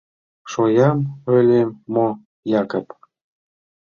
— Шоям ойлем мо, Якып?